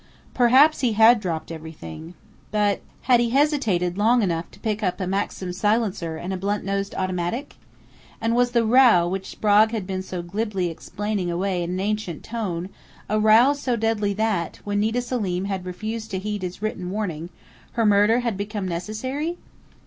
Perhaps he had dropped everything. But had he hesitated long enough to pick up a Maxim silencer and a blunt nosed automatic? And was the "row" which Sprague had been so glibly explaining away an ancient one a row so deadly that, when Nita Selim had refused to heed his written warning, her murder had become necessary?